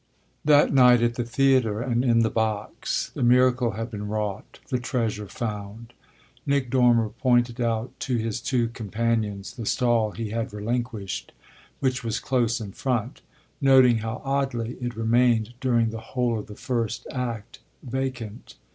LI That night at the theatre and in the box the miracle had been wrought, the treasure found Nick Dormer pointed out to his two companions the stall he had relinquished, which was close in front; noting how oddly it remained during the whole of the first act vacant.